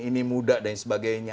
ini muda dan sebagainya